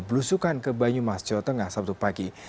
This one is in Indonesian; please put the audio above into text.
belusukan ke banyumas jawa tengah sabtu pagi